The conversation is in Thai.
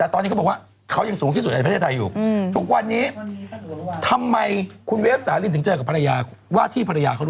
ทุกวันทั้งเลยมาทำไมเจอกับภารายา